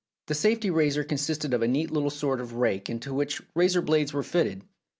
This safety razor consisted of a neat little sort of a rake into which razor blades were fitted.